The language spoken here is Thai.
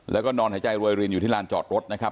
แล้วก็นอนหายใจรวยรินอยู่ที่ลานจอดรถนะครับ